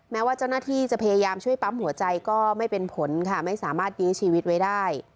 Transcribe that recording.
แม้ว่าเจ้าหน้าที่จะพยายามช่วยปั๊มหัวใจก็ไม่เป็นผลค่ะไม่สามารถยื้อชีวิตไว้ได้